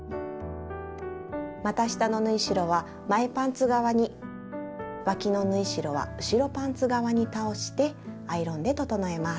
また下の縫い代は前パンツ側にわきの縫い代は後ろパンツ側に倒してアイロンで整えます。